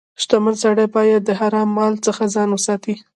• شتمن سړی باید د حرام مال څخه ځان وساتي.